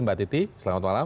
mbak titi selamat malam